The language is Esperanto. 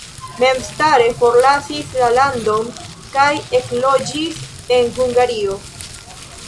Memstare forlasis la landon kaj ekloĝis en Hungario.